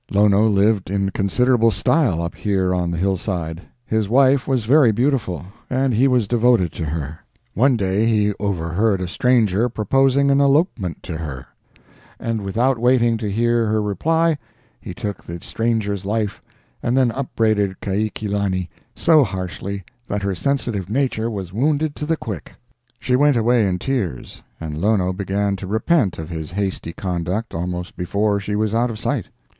Lono lived in considerable style up here on the hillside. His wife was very beautiful, and he was devoted to her. One day he overheard a stranger proposing an elopement to her, and without waiting to hear her reply he took the stranger's life and then upbraided Kaikilani so harshly that her sensitive nature was wounded to the quick. She went away in tears, and Lono began to repent of his hasty conduct almost before she was out of sight.